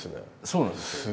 そうなんですよ。